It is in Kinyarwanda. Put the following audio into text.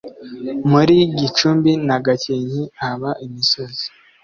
muri gicumbi na gakenke haba imisozi.